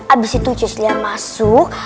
abis itu just lianya masuk